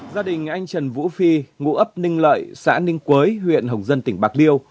gia đình anh trần vũ phi ngũ ấp ninh lợi xã ninh quới huyện hồng dân tỉnh bạc liêu